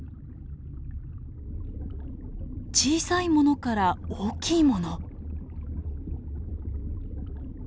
小さいものから大きいもの。